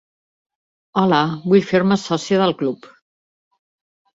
Hola, vull fer-me sòcia del club.